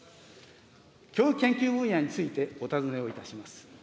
教育研究分野についてお尋ねをいたします。